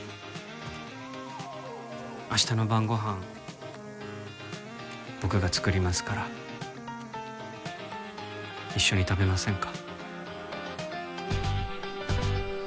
明日の晩ご飯僕が作りますから一緒に食べませんか？